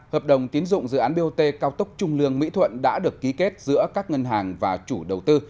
hợp đồng tiến dụng dự án bot cao tốc trung lương mỹ thuận đã được ký kết giữa các ngân hàng và chủ đầu tư